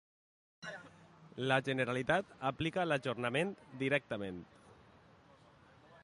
La Generalitat aplica l'ajornament directament.